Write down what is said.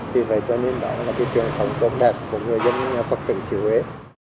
vì vậy cho nên đó là trường thống tốt đẹp của người dân phật tử xứ huế